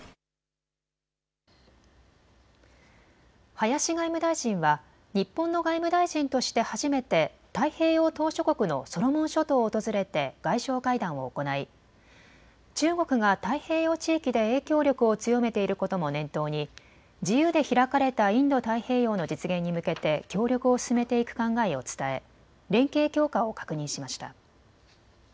林外務大臣は日本の外務大臣として初めて太平洋島しょ国のソロモン諸島を訪れて外相会談を行い中国が太平洋地域で影響力を強めていることも念頭に自由で開かれたインド太平洋の実現に向けて協力を進めていく考えを伝え連携強化を確認しました。